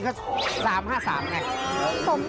แล้วโชคดีนะต้องตามไปขอบคุณหมู่บ้านเลยนะ